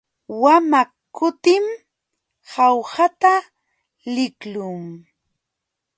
Wamaq kutim Jaujata liqluu.